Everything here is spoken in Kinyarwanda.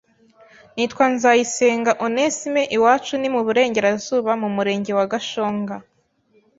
Nitwa NZAYISENGA Onesme, iwacu ni mu burengerazuba mu murenge wa Gashonga,